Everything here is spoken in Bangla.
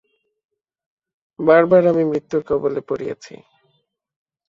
বার বার আমি মৃত্যুর কবলে পড়িয়াছি।